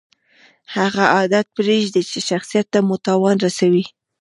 هغه عادت پرېږدئ، چي شخصت ته مو تاوان رسوي.